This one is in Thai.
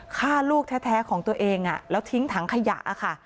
ฆ่าลูกแท้ของตัวเองแล้วทิ้งถังขยะค่ะ